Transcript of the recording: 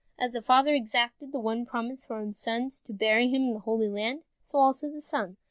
As the father exacted the promise from his sons to bury him in the Holy Land, so also the son.